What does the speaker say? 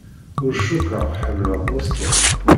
Ur cukkeɣ ḥemmleɣ Boston.